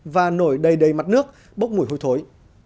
và nổi đầy đầy mặt nước bốc mùi hôi thối